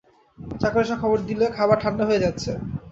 চাকর এসে খবর দিলে খাবার ঠাণ্ডা হয়ে যাচ্ছে।